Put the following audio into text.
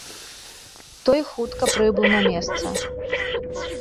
Той хутка прыбыў на месца.